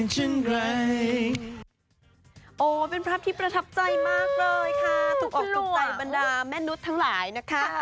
ทุกศักดิ์บรรดาแม่นุษย์ทั้งหลายนะค่ะ